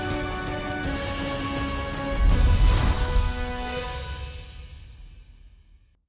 พ่อเด็กไปยุทธ์คนเดียวคงไม่สามารถทำอะไรได้สำเร็จ